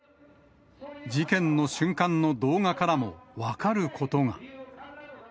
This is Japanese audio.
事件の瞬間の動画からも分かることが。